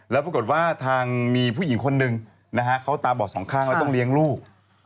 แล้วปรากฏว่าทางมีผู้หญิงคนหนึ่งนะฮะเขาตาบอดสองข้างแล้วต้องเลี้ยงลูก